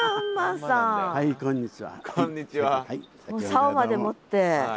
さおまで持って。